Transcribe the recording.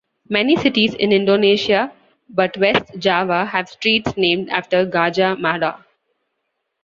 Many cities in Indonesia but West Java have streets named after Gajah Mada.